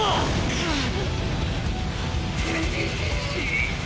くっ！